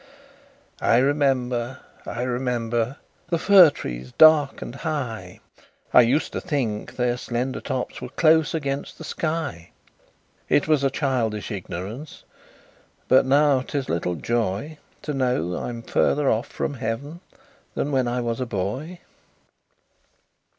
I remember, I remember, The fir trees dark and high; I used to think their slender tops Were close against the sky: It was a childish ignorance, But now 'tis little joy To know I'm farther off from Heav'n Than when I was a boy.